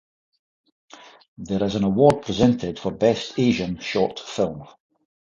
There is an award presented for Best Asian Short Film.